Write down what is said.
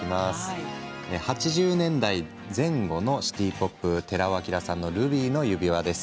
８０年代前後のシティ・ポップ寺尾聰さんの「ルビーの指環」です。